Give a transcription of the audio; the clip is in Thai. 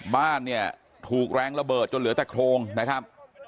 บ้านเนี่ยถูกแรงระเบิดจนเหลือแต่โครงนะครับ